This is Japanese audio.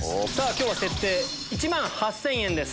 今日は設定１万８０００円です。